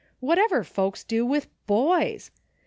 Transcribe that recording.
Whatever folks do with boys